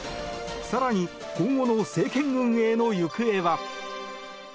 更に、今後の政権運営の行方は？